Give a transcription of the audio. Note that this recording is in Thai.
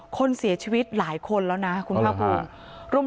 คนเสียชีวิตหลายคนแล้วนะคุณภาคภูมิ